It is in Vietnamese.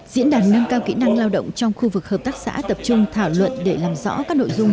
diễn đàn nâng cao kỹ năng lao động trong khu vực hợp tác xã tập trung thảo luận để làm rõ các nội dung